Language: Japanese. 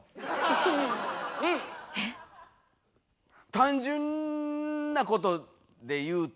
単純なことで言うと。